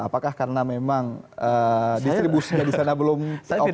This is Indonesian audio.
apakah karena memang distribusi nggak di sana belum optimal